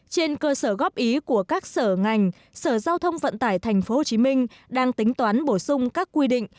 trên cơ sở góp ý của các sở ngành sở giao thông vận tải tp hcm đang tính toán bổ sung các quy định